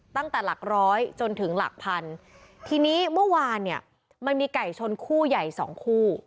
ตั้งแต่หลักร้อยจนถึงหลักพันทีนี้เมื่อวานเนี่ยมันมีไก่ชนคู่ใหญ่สองคู่